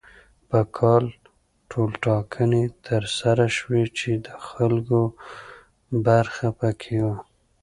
په کال ټولټاکنې تر سره شوې چې د خلکو برخه پکې وه.